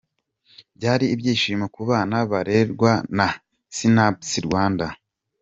Byari ibyishimo kubana barerwa na Sinapis Rwanda.